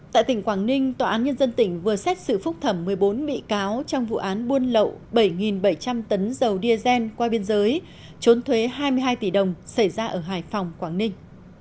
tại tỉnh quảng ninh tòa án nhân dân tỉnh vừa xét xử phúc thẩm một mươi bốn bị cáo trong vụ án buôn lậu bảy bảy trăm linh tấn dầu diazen qua biên giới trốn thuế hai mươi hai tỷ đồng xảy ra ở hải phòng quảng ninh